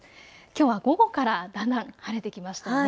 きょうは午後からだんだん晴れてきましたね。